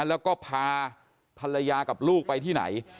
แล้วก็พาภรรยากับลูกไปที่ไหน